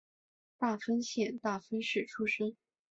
大分县大分市出身。